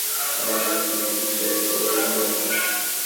আমার বিবেচনায় এই বিষয়েও সকল হিন্দুই একমত।